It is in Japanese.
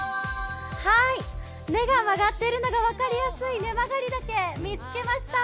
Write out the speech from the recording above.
根が曲がっているのが分かりやすいネマガリダケ、見つけました。